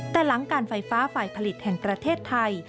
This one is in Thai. แต่หลังการไฟฟ้าฝ่ายผลิตแห่งประเทศไทย